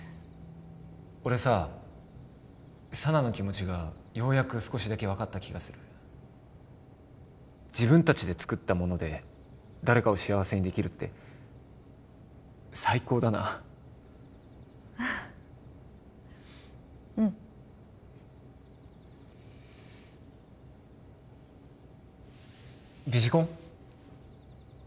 俺さ佐奈の気持ちがようやく少しだけ分かった気がする自分達で作ったもので誰かを幸せにできるって最高だなうんビジコン？